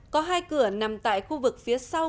có hai cửa nằm tại khu vực phía sau